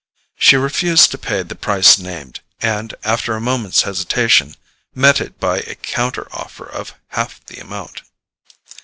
She refused to pay the price named, and after a moment's hesitation, met it by a counter offer of half the amount.